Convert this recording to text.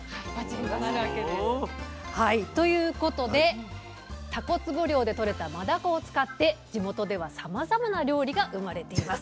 閉まるわけです。ということでたこつぼ漁でとれたマダコを使って地元ではさまざまな料理が生まれています。